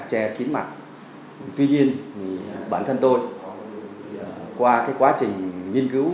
che kín mặt tuy nhiên bản thân tôi qua quá trình nghiên cứu